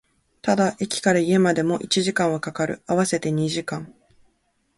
ただ、駅から家までも一時間は掛かる、合わせて二時間